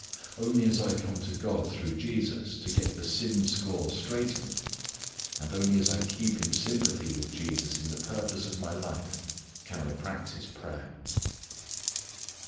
Only as I come to God through Jesus to get the sin score straightened, and only as I keep in sympathy with Jesus in the purpose of my life can I practice prayer.